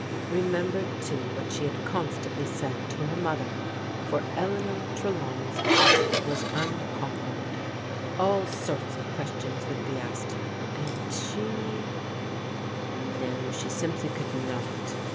Remembered, too, what she had constantly said to her mother, for Eleanor Trelawney's pride was unconquered. All sorts of questions would be asked her, and she No, she simply could not.